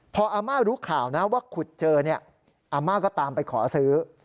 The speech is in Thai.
พออาม่ารู้ข่าวนะว่าขุดเจอเนี่ยอาม่าก็ตามไปขอซื้อ